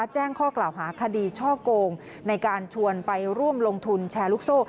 แจ้งข้อกล่าวหาคดีช่อโกงในการชวนไปร่วมลงทุนแชร์ลูกโซ่